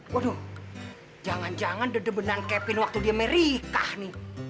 waduh jangan jangan dede benang kevin waktu di amerika nih